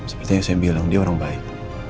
seperti yang saya bilang dia orang baik